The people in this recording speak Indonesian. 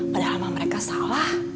padahal emang mereka salah